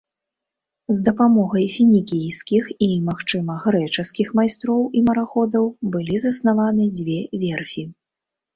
З дапамогай фінікійскіх і, магчыма, грэчаскіх майстроў і мараходаў былі заснаваны дзве верфі.